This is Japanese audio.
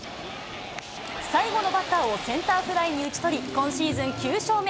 最後のバッターをセンターフライに打ち取り、今シーズン９勝目。